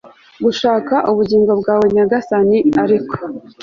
gushaka ub gingo bwawe Nyagasani ariko